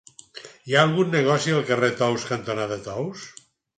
Hi ha algun negoci al carrer Tous cantonada Tous?